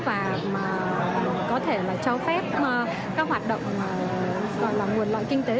và có thể là cho phép các hoạt động gọi là nguồn lợi kinh tế